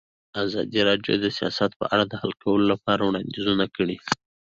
ازادي راډیو د سیاست په اړه د حل کولو لپاره وړاندیزونه کړي.